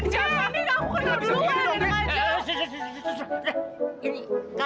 ini aku kenal duluan enak aja